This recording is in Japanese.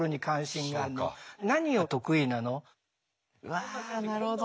わあなるほど。